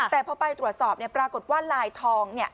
แต่พอไปตรวจสอบเนี่ยปรากฏว่าลายทองเนี่ย